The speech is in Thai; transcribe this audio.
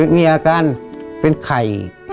มีอาการเป็นไข่